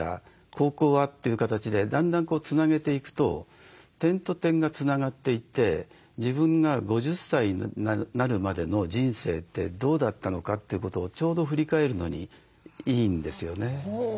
高校は？という形でだんだんつなげていくと点と点がつながっていって自分が５０歳になるまでの人生ってどうだったのかということをちょうど振り返るのにいいんですよね。